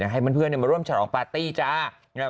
ให้บนเพื่อนมาร่วมผ่านมา